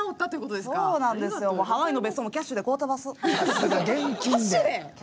ハワイの別荘もキャッシュで買ってます。